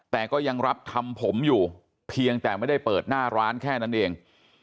แต่ก็ยังรับทำผมอยู่เพียงแต่ไม่ได้เปิดหน้าร้านแค่นั้นเอง